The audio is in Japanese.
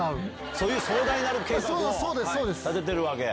そういう壮大なる計画を立ててるわけ。